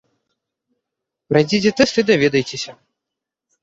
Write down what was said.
Прайдзіце тэст і даведайцеся!